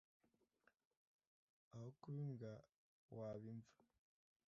Aho kuba imbwa waba imva.